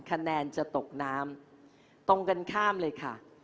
คะแนนจะตกน้ำตรงกันข้ามเลยค่ะ